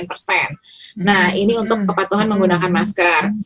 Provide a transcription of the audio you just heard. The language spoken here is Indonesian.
nah ini untuk kepatuhan menggunakan masker